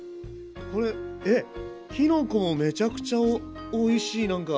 これえっきのこもめちゃくちゃおいしいなんか。